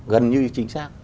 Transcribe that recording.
gần như chính xác